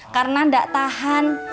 karena gak tahan